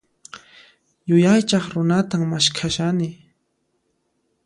Yuyaychaq runatan maskhashani.